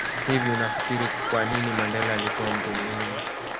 Hivi unafikiri kwanini Mandela alikua mtu muhimu